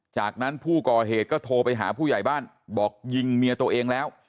จากนั้นผู้ก่อเหตุก็โทรไปหาผู้ใหญ่บ้านบอกยิงเมียตัวเองแล้ว